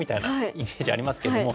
イメージありますけども。